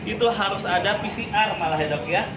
itu harus ada pcr malah ya dok ya